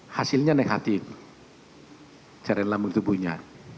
hasilnya negatif cairan lambung di tubuhnya